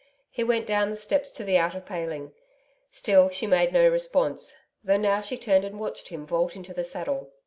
He went down the steps to the outer paling. Still she made no response, though now she turned and watched him vault into the saddle.